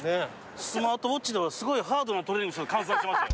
スマートウオッチではすごいハードなトレーニング換算しましたよ。